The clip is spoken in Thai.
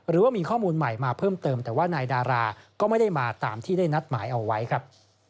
หรือว่ามีข้อมูลใหม่มาเพิ่มเติมแต่ว่านายดาราก็ไม่ได้มาตามที่ได้นัดหมายเอาไว้ครับ